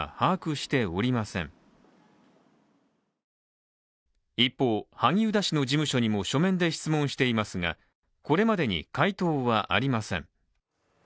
すると一方、萩生田氏の事務所にも書面で質問していますがこれまでに回答はありません。